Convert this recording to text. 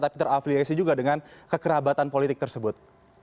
tapi terafiliasi juga dengan kekerabatan politik tersebut